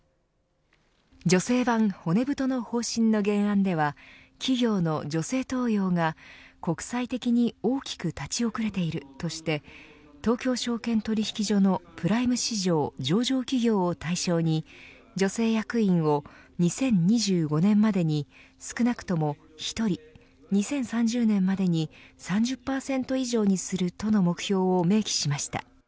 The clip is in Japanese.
女性版骨太の方針の原案では企業の女性登用が国際的に大きく立ち遅れているとして東京証券取引所のプライム市場上場企業を対象に女性役員を２０２５年までに少なくとも１人２０３０年までに３０％以上にするとの目標を明記しました。